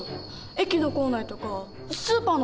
駅の構内とかスーパーの中とか。